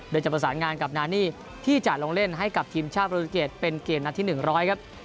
โดยจะประสานงานกับนานี่ที่จะลงเล่นให้กับทีมชาติโปรตูเกตเป็นเกมนัดที่๑๐๐ครับ